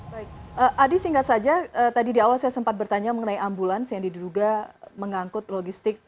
baik adi singkat saja tadi di awal saya sempat bertanya mengenai ambulans yang diduga mengangkut logistik